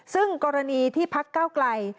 ซึ่งกรณีที่พักเก้าไกล